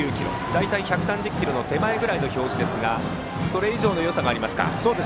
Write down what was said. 大体１３０キロの手前ぐらいの表示ですがそれ以上のよさがありますか。